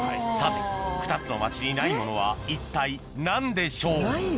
さて２つの町にないものは一体何でしょう？